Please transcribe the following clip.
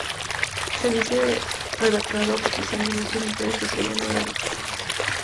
Se dice redactado a petición de muchas mujeres que querían agradecer la obra.